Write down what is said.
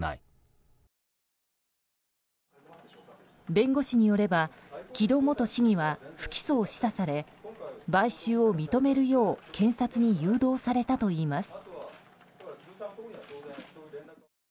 弁護士によれば木戸元市議は不起訴を示唆され買収を認めるよう検察に誘導されたといいます。